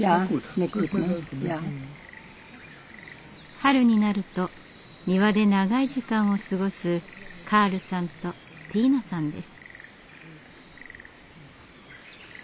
春になると庭で長い時間を過ごすカールさんとティーナさんです。